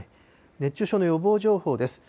熱中症の予防情報です。